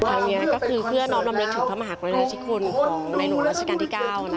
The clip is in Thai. ครั้งนี้ก็คือเพื่อน้อมรำลึกถึงพระมหากรณาธิคุณของในหลวงราชการที่๙